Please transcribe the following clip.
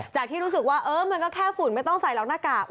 ที่รู้สึกว่าเออมันก็แค่ฝุ่นไม่ต้องใส่หรอกหน้ากาก